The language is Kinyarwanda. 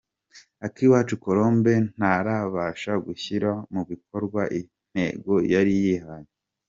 Akiwacu Colombe ntarabasha gushyira mu bikorwa intego yari yihaye.